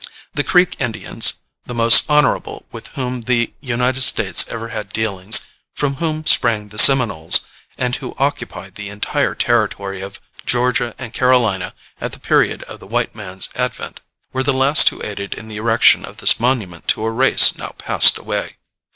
The Creek Indians the most honorable with whom the United States ever had dealings, from whom sprang the Seminoles, and who occupied the entire territory of Georgia and Carolina at the period of the white man's advent were the last who aided in the erection of this monument to a race now passed away.